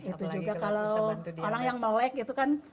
itu juga kalau orang yang melek gitu kan